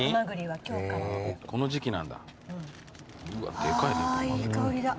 はあいい香りだ。